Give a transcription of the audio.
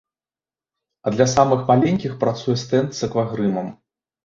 А для самых маленькіх працуе стэнд з аквагрымам.